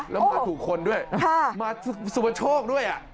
แล้วมาถูกคนด้วยมาสุปโชคด้วย